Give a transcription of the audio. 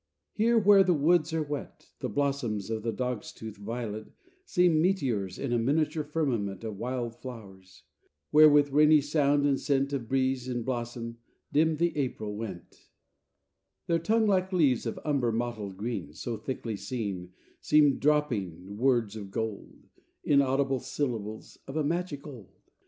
II Here where the woods are wet, The blossoms of the dog's tooth violet Seem meteors in a miniature firmament Of wild flowers, where, with rainy sound and scent Of breeze and blossom, dim the April went: Their tongue like leaves of umber mottled green, So thickly seen, Seem dropping words of gold, Inaudible syllables of a magic old.